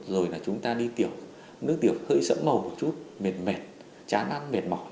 rồi là chúng ta đi tiểu nước tiểu hơi sẫm màu một chút mệt mệt chán ăn mệt mỏi